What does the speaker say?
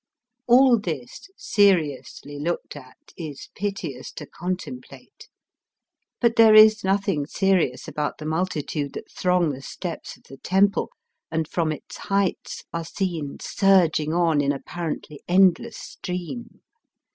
All this seriously looked at is piteous to contemplate. But there is nothing serious about the multitude that throng the steps of the temple and from its heights are seen surg ing on in apparently endless stream.